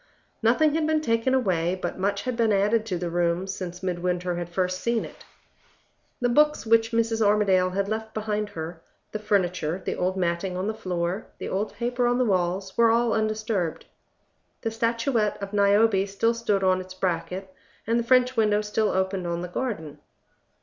Nothing had been taken away, but much had been added to the room, since Midwinter had first seen it. The books which Mrs. Armadale had left behind her, the furniture, the old matting on the floor, the old paper on the walls, were all undisturbed. The statuette of Niobe still stood on its bracket, and the French window still opened on the garden.